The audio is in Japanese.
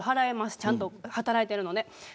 ちゃんと働いてるんで。